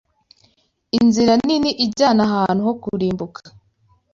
Inzira nini ijyana ahantu ho kurimbuka